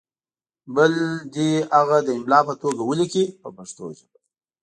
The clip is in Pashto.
بل دې هغه د املا په توګه ولیکي په پښتو ژبه.